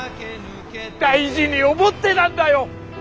大事に思ってたんだよ！